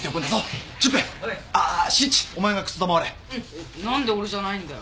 えっ何で俺じゃないんだよ？